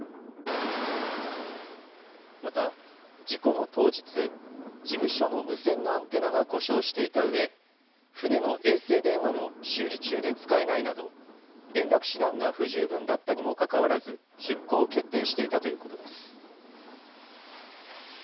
また、事故の当日、事務所の無線のアンテナが故障していたうえ、船の衛星電話も修理中で使えないなど、連絡手段が不十分だったにもかかわらず、出航を決定していたということです。